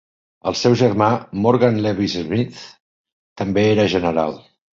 El seu germà, Morgan Lewis Smith, també era general.